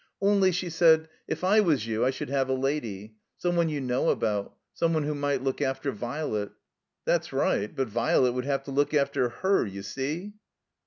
"Only," she said, "if I was you I should have a lady. Some one you know about. Some one who might look after Vi'let." "That's right. But Virelet would have to look after her, you see."